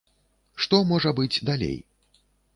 Што можа быць далей?